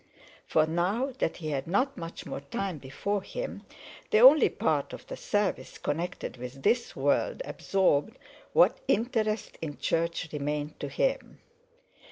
For, now that he had not much more time before him, the only part of the service connected with this world absorbed what interest in church remained to him.